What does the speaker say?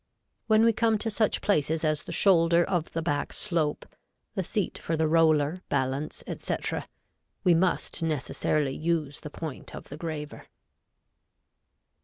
When we come to such places as the shoulder of the back slope, the seat for the roller, balance, etc., we must necessarily use the point of the graver.